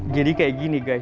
jadi kayak gini guys